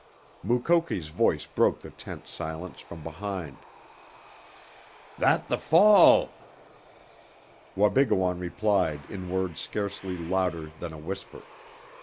Mukoki's voice broke the tense silence from behind. "That the fall!" Wabigoon replied in words scarcely louder than a whisper.